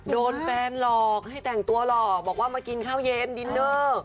โดนแฟนหลอกให้แต่งตัวหลอกบอกว่ามากินข้าวเย็นดินเนอร์